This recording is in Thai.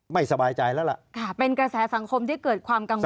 ไม่สบายใจแล้วล่ะค่ะเป็นกระแสสังคมที่เกิดความกังวล